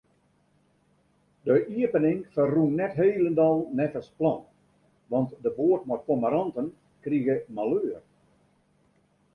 De iepening ferrûn net hielendal neffens plan, want de boat mei pommeranten krige maleur.